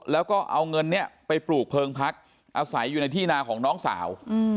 แล้วก็เอาเงินนี้ไปปลูกเพลิงพักอาศัยอยู่ในที่นาของน้องสาว